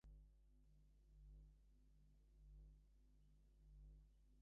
Loughrea Triathlon is part of the national event calendar under Triathlon Ireland rules.